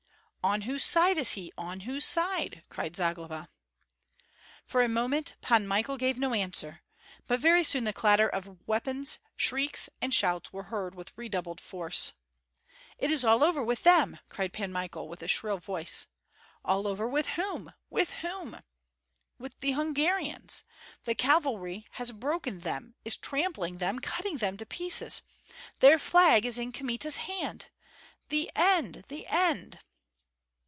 "On whose side is he, on whose side?" cried Zagloba. For a moment Pan Michael gave no answer; but very soon the clatter of weapons, shrieks, and shouts were heard with redoubled force. "It is all over with them!" cried Pan Michael, with a shrill voice. "All over with whom, with whom?" "With the Hungarians. The cavalry has broken them, is trampling them, cutting them to pieces! Their flag is in Kmita's hand! The end, the end!"